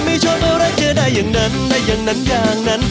ไม่ชอบอะไรเจอได้อย่างนั้นได้อย่างนั้นอย่างนั้น